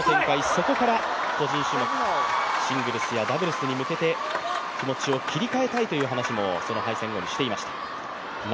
そこから個人種目、シングルスやダブルスに向けて気持ちを切り替えたいという話も敗退後にしていました。